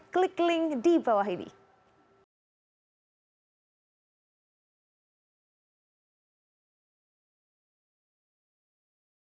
dan untuk menyaksikan video lengkapnya